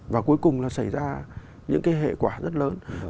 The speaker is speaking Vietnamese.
và cuối cùng là xảy ra những cái hệ quả rất lớn